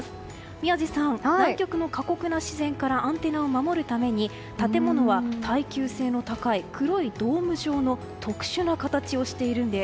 宮司さん、南極の過酷な自然からアンテナを守るために建物は、耐久性の高い黒いドーム状の特殊な形をしているんです。